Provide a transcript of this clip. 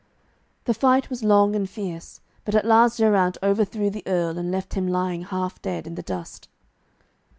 The fight was long and fierce, but at last Geraint overthrew the Earl, and left him lying half dead in the dust.